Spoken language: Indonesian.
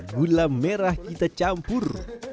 gula merah kita campur